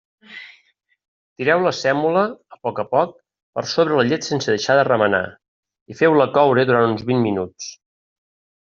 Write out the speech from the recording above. Tireu la sèmola, a poc a poc, per sobre la llet sense deixar de remenar, i feu-la coure durant uns vint minuts.